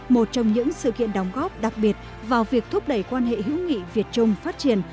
một trong những sự kiện đóng góp đặc biệt vào việc thúc đẩy quan hệ hữu nghị việt trung phát triển